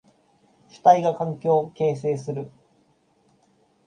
主体が環境を形成する。